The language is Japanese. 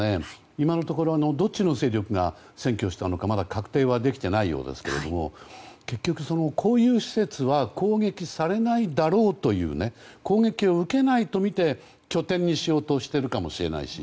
今のところどっちの勢力が占拠したのかまだ確定はできていないようですが結局こういう施設は攻撃されないだろうという攻撃を受けないとみて拠点にしようとしているかもしれないし。